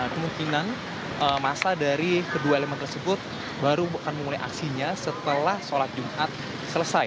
kemungkinan masa dari kedua elemen tersebut baru akan memulai aksinya setelah sholat jumat selesai